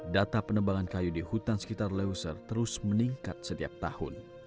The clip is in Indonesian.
data penebangan kayu di hutan sekitar leuser terus meningkat setiap tahun